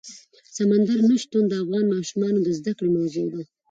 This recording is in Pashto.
سمندر نه شتون د افغان ماشومانو د زده کړې موضوع ده.